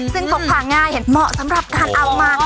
ซึ่งพกพาง่ายเห็นเหมาะสำหรับการเอามา